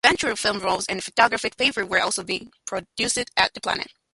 Eventually film rolls and photographic paper were also being produced at the plant.